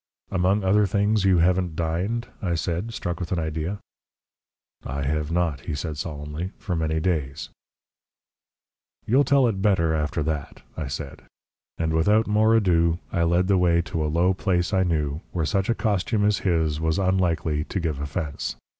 "Among other things, you haven't dined?" I said, struck with an idea. "I have not," he said solemnly, "for many days." "You'll tell it better after that," I said; and without more ado led the way to a low place I knew, where such a costume as his was unlikely to give offence.